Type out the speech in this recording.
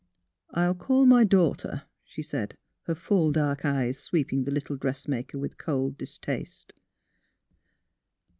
'' I'll call my daughter," she said, her full dark eyes sweeping the little dressmaker with cold dis taste.